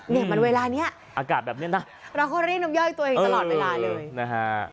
เนี่ยกันเวลานี้อากาศแบบเนี่ยเราเค้าริ่งนมย่อยตัวเองตลอดไปก่อนนะฮะ